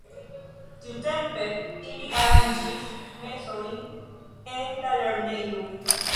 Tiutempe ili aranĝis mesojn en la lernejo.